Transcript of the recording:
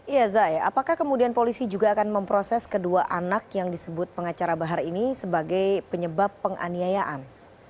iya zai apakah kemudian polisi juga akan memproses kedua anak yang disebut pengacara bahar ini sebagai penyebab penganiayaan